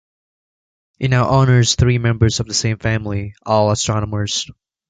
It now honors three members of the same family, all astronomers.